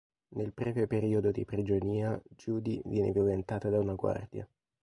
Nel breve periodo di prigionia Judy viene violentata da una guardia.